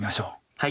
はい。